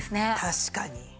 確かに。